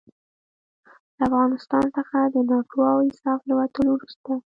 له افغانستان څخه د ناټو او ایساف له وتلو وروسته.